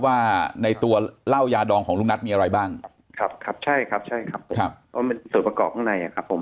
ว่าในตัวเหล้ายาดองของลุงนัทมีอะไรบ้างครับครับใช่ครับใช่ครับผมก็เป็นส่วนประกอบข้างในอ่ะครับผม